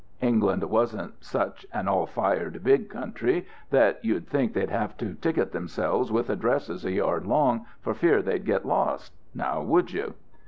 England wasn't such an all fired big country that you'd think they'd have to ticket themselves with addresses a yard long, for fear they'd get lost now, would you?